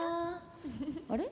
あれ？